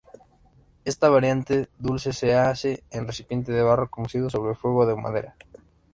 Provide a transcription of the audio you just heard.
Esta variante dulce se hace en recipientes de barro cocido sobre fuego de madera.